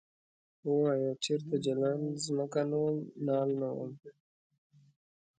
ووایه چرته جلان ځمکه نه وم نال نه وم ؟